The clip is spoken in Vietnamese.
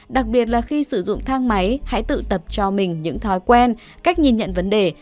dùng thang máy hãy tự tập cho mình những thói quen cách nhìn nhận vấn đề